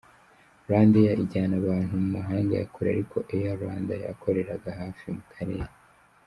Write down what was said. – Rwandair ijyana abantu mu mahanga ya kure ariko Air Rwanda yakoreraga hafi mu karere.